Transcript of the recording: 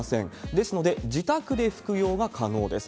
ですので、自宅で服用が可能です。